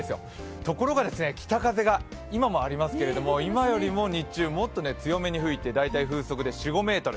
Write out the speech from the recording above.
ところが、北風が今もありますけれども、今よりも日中、もっと強めに吹いて大体、風速で４５メートル。